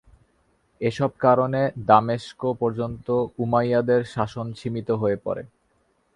এসব কারণে দামেস্ক পর্যন্ত উমাইয়াদের শাসন সীমিত হয়ে পড়ে।